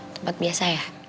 tempat biasa ya